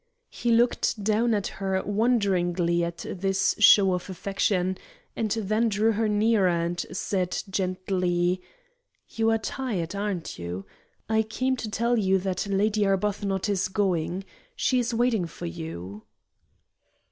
He looked down at her wonderingly at this show of affection, and then drew her nearer, and said, gently, "You are tired, aren't you? I came to tell you that Lady Arbuthnot is going. She is waiting for you."